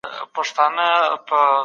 په لیکلو سره ذهن تر اورېدلو ښه تمرکز کوي.